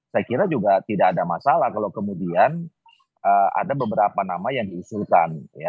saya kira juga tidak ada masalah kalau kemudian ada beberapa nama yang diusulkan